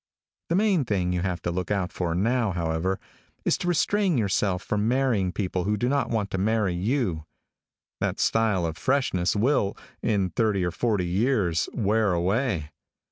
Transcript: The main thing you have to look out for now, however, is to restrain yourself from marrying people who do not want to marry you. That style of freshness will, in thirty or forty years, wear away.